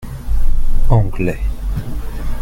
Anglais.